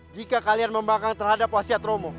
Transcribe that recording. jika kalian membangun terhadap hasil romo